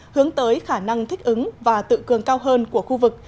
hướng tới khả năng thích ứng và tự cường cao hơn của khu vực